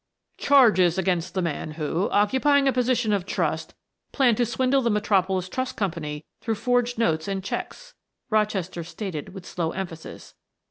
"Charges against the man who, occupying a position of trust, planned to swindle the Metropolis Trust Company through forged notes and checks," Rochester stated with slow emphasis.